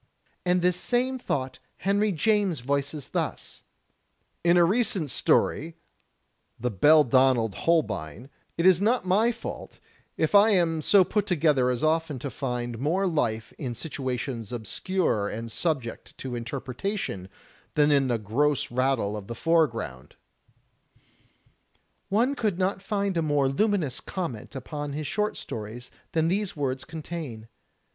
And this same thought Henry James voices thus: "In a recent story, 'The Beldonald Holbein,' it is not my fault if I am so put together as often to find more life in situations obscure and subject to interpretation than in the gross rattle of the foregroimd." One could not find a more luminous comment upon his short stories than these words contain.